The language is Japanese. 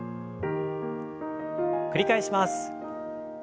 繰り返します。